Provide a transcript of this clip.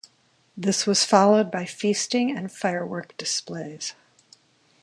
This was followed by feasting and firework displays.